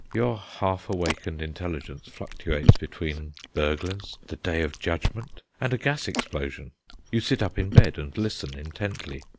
Your half awakened intelligence fluctuates between burglars, the Day of Judgment, and a gas explosion. You sit up in bed and listen intently.